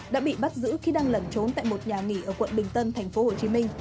đã bị bắt giữ khi đang lẩn trốn tại một nhà nghỉ ở quận bình tân tp hcm